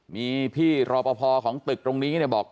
มีพี่รอปภของตึกตรงนี้เนี่ยบอก